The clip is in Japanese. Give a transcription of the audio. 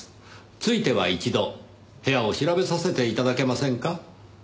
ついては一度部屋を調べさせて頂けませんか。